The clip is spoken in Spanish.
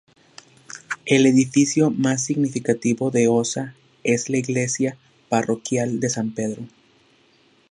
El edificio más significativo de Oza es la iglesia parroquial de San Pedro.